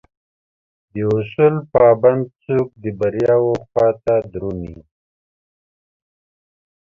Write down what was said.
داصول پابند څوک دبریاوخواته درومي